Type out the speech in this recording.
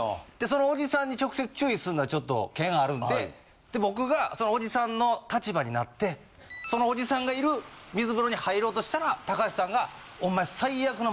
そのおじさんに直接注意すんのはちょっと険あるんで僕がそのおじさんの立場になってそのおじさんがいる水風呂に入ろうとしたら高橋さんが。